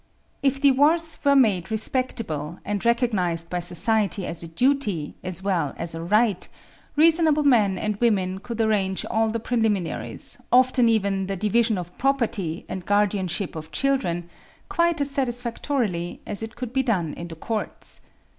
"If divorce were made respectable, and recognized by society as a duty, as well as a right, reasonable men and women could arrange all the preliminaries, often, even, the division of property and guardianship of children, quite as satisfactorily as it could be done in the courts.